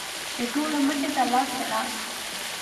د ټولو مخې ته لاس په لاس.